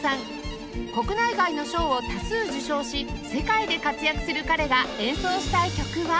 国内外の賞を多数受賞し世界で活躍する彼が演奏したい曲は